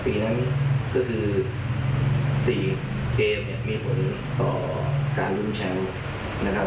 ปีนั้นก็คือ๔เกมเนี่ยมีผลต่อการลุ้นแชมป์นะครับ